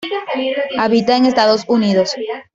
Habita en Estados Unidos.